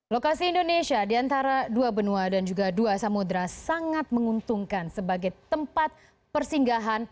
lokasi indonesia di antara dua benua dan juga dua samudera sangat menguntungkan sebagai tempat persinggahan